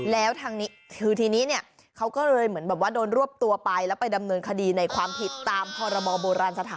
แล้วทางนี้เขาก็เลยเหมือนโดนรวบตัวไปแล้วไปดำเนินคดีในความผิดตามพบสภ